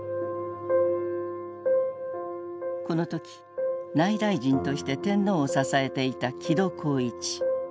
この時内大臣として天皇を支えていた木戸幸一。